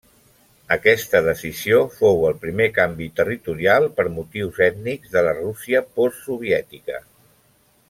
Aquesta decisió fou el primer canvi territorial per motius ètnics de la Rússia post soviètica.